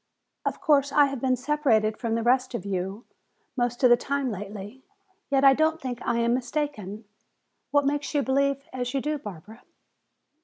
Of course, I have been separated from the rest of you most of the time lately, yet I don't think I am mistaken. What makes you believe as you do, Barbara?"